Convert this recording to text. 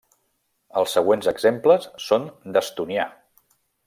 Els següents exemples són d'estonià.